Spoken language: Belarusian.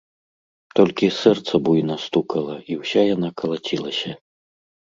Толькі сэрца буйна стукала, і ўся яна калацілася.